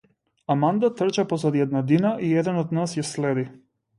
Аманда трча позади една дина и еден од нас ја следи.